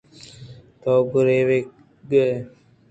تو گریوگ ءَ ئے۔